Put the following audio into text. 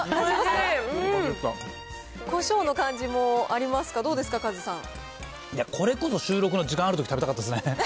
コショウの感じもありますか、どうですか、いや、これこそ収録の時間あるとき食べたかったですね。